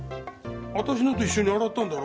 私のと一緒に洗ったんだろ？